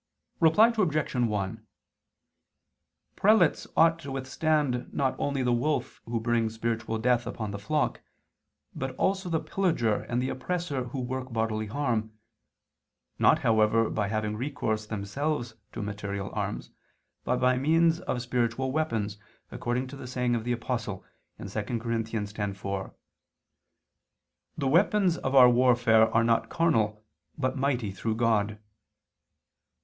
Reply Obj. 1: Prelates ought to withstand not only the wolf who brings spiritual death upon the flock, but also the pillager and the oppressor who work bodily harm; not, however, by having recourse themselves to material arms, but by means of spiritual weapons, according to the saying of the Apostle (2 Cor. 10:4): "The weapons of our warfare are not carnal, but mighty through God."